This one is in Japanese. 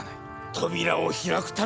扉を開くためには。